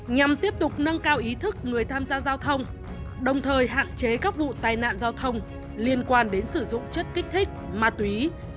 nhằm tiếp tục nâng cao ý thức người tham gia giao thông đồng thời hạn chế các vụ tai nạn giao thông liên quan đến sử dụng chất kích thích ma túy